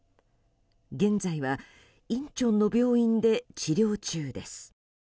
現在はインチョンの病院で治療中です。